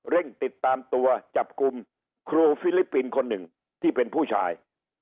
ติดตามตัวจับกลุ่มครูฟิลิปปินส์คนหนึ่งที่เป็นผู้ชาย